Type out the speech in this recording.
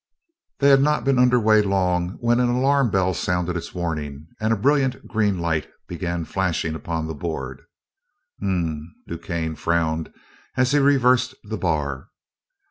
They had not been under way long when an alarm bell sounded its warning and a brilliant green light began flashing upon the board. "Hm ... m," DuQuesne frowned as he reversed the bar.